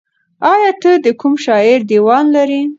ایا ته د کوم شاعر دیوان لرې؟